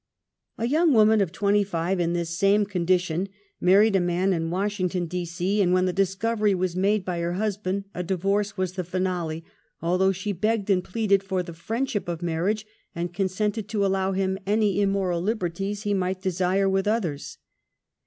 A young woman of twenty five in this same con ( dition, married a man in Washington, J). C, and when the discovery was made by her husband, a di vorce was the finale, although she begged and pleaded \for t\ie friendship of marriage Midi consented to allow him any immoral liberties he might desire with others.